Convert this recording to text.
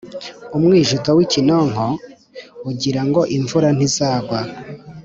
Umwijuto w’ikinonko ugirango imvura ntizagwa.